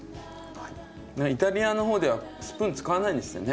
イタリアの方ではスプーン使わないんですってね。